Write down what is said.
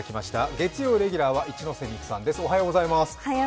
月曜レギュラーは一ノ瀬美空さんです。